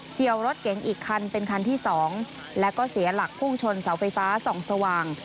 เชี่ยวรถเก๋งอีกคันเป็นคันที่๒แล้วก็เสียหลักพุ่งชนเสาไฟฟ้าส่องสว่าง